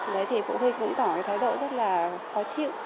đấy thì phụ huynh cũng tỏ thái độ rất là khó chịu